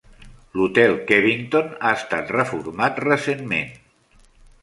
L"hotel Kevington ha estat reformat recentment.